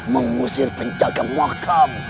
mengusir penjaga makam